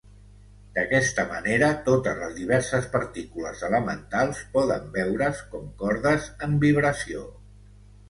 D'aquesta manera, totes les diverses partícules elementals poden veure's com cordes en vibració.